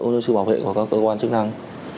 và sự bảo vệ của các cơ quan chức năng